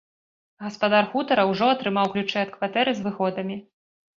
Гаспадар хутара ўжо атрымаў ключы ад кватэры з выгодамі.